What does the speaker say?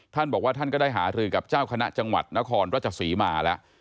ท่านบอกว่าท่านก็ได้หารือกับเจ้าคณะจังหวัดนครราชศรีมาแล้ว